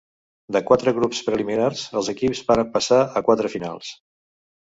De quatre grups preliminars els equips varen passar a quatre finals.